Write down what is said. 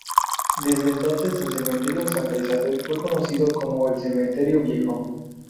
Desde entonces el cementerio Santa Isabel fue conocido como el Cementerio Viejo.